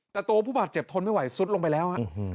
แต่ตัวผู้บาดเจ็บทนไม่ไหวซุดลงไปแล้ว